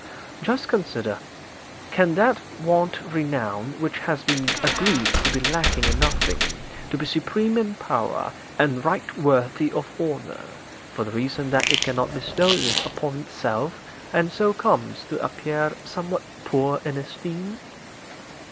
Just consider: can that want renown which has been agreed to be lacking in nothing, to be supreme in power, and right worthy of honour, for the reason that it cannot bestow this upon itself, and so comes to appear somewhat poor in esteem?'